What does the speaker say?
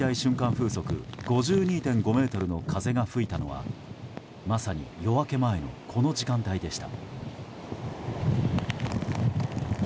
風速５２．５メートルの風が吹いたのはまさに夜明け前のこの時間帯でした。